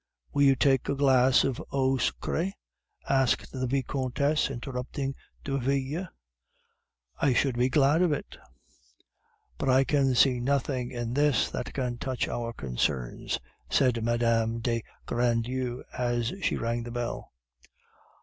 "Will you take a glass of eau sucree?" asked the Vicomtesse, interrupting Derville. "I should be glad of it." "But I can see nothing in this that can touch our concerns," said Mme. de Grandlieu, as she rang the bell.